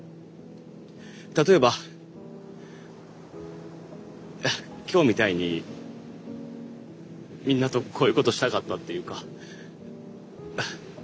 例えば今日みたいにみんなとこういうことしたかったっていうか。